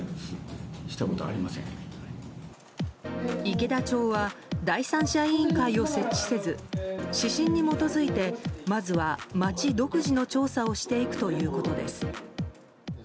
池田町は第三者委員会を設置せず指針に基づいて、まずは町独自の調査をしていくということです。